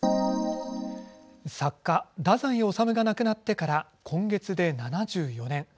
作家、太宰治が亡くなってから今月で７４年。